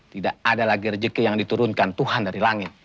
tidak ada lagi rezeki yang diturunkan tuhan dari langit